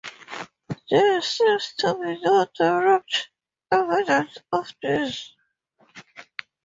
There seems to be no direct evidence of this.